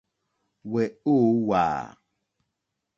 Wɛ̄ ǒ wàà.